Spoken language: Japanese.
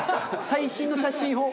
最新の写真を。